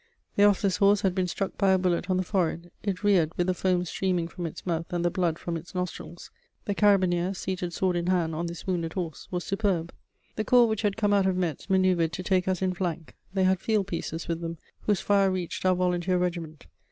The officer's horse had been struck by a bullet on the forehead; it reared, with the foam streaming from its mouth and the blood from its nostrils: the carabineer, seated sword in hand on this wounded horse, was superb. The corps which had come out of Metz manœuvred to take us in flank: they had field pieces with them, whose fire reached our volunteer regiment.